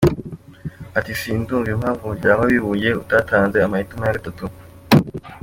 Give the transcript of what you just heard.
Ati “Sindumva impamvu Umuryango w’Abibumbye utatanze amahitamo ya gatatu.